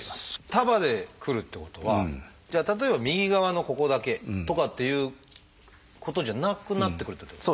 束でくるっていうことはじゃあ例えば右側のここだけとかっていうことじゃなくなってくるっていうこと？